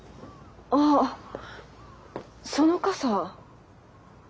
あっその傘。